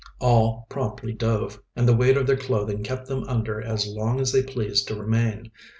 All promptly dove, and the weight of their clothing kept them under as long as they pleased to remain.